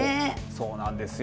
そうなんですよ。